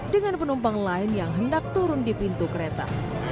dengan penumpang lain yang hendak turun di pintu kereta